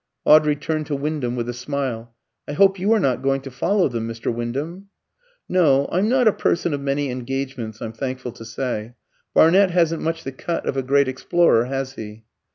Audrey turned to Wyndham with a smile, "I hope you are not going to follow them, Mr. Wyndham?" "No; I'm not a person of many engagements, I'm thankful to say. Barnett hasn't much the cut of a great explorer, has he?"